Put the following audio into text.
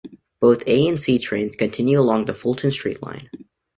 Both the A and C trains continue along the Fulton Street Line.